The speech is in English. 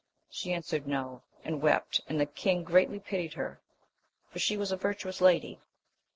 She answered. No ; and wept ; and the king greatly pitied her, for she was a virtuous lady.